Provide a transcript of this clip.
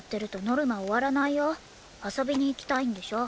遊びに行きたいんでしょ？